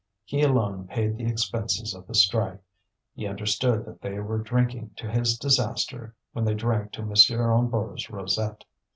He alone paid the expenses of the strike; he understood that they were drinking to his disaster when they drank to M. Hennebeau's rosette.